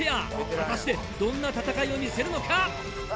果たしてどんな戦いを見せるのか？